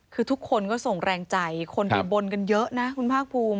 คือทุกคนก็ส่งแรงใจคนไปบนกันเยอะนะคุณภาคภูมิ